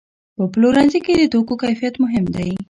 په پلورنځي کې د توکو کیفیت مهم دی.